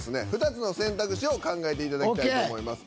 ２つの選択肢を考えていただきたいと思います。